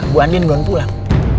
bu andin belum pulang